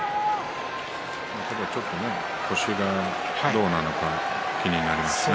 ちょっと腰がどうなのか気になりますね。